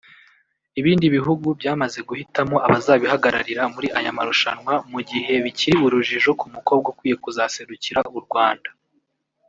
Ibindi bihugu byamaze guhitamo abazabihagararira muri aya marushanwa mu gihe bikiri urujijo ku mukobwa ukwiye kuzaserukira u Rwanda